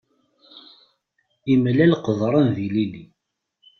Imlal qeḍṛan d ilili.